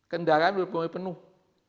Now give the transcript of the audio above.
kendaraan belum penuh